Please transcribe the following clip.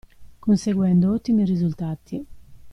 Conseguendo ottimi risultati.